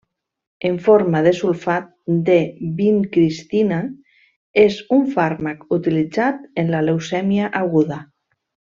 En forma de sulfat de vincristina, és un fàrmac utilitzat en la leucèmia aguda.